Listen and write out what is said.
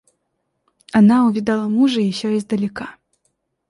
Она увидала мужа еще издалека.